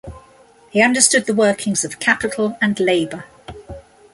He understood the workings of capital and labour.